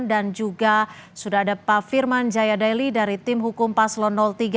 dan juga sudah ada pak firman jaya daili dari tim hukum paslon tiga